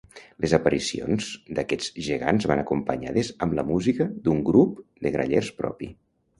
Les aparicions d'aquests gegants van acompanyades amb la música d'un grup de grallers propi.